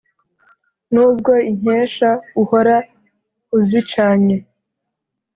nubwo inkesha uhora uzicanye